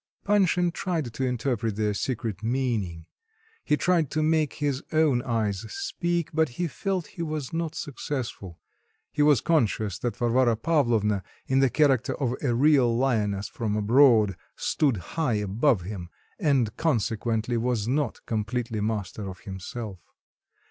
Panshin tried to interpret their secret meaning, he tried to make his own eyes speak, but he felt he was not successful; he was conscious that Varvara Pavlovna, in the character of a real lioness from abroad, stood high above him, and consequently was not completely master of himself.